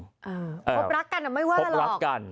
พบรักกันอะไม่ว่าหรอก